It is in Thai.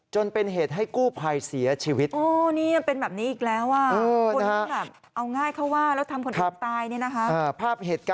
จนเป็นเหตุให้กู้ภัยเสียชีวิต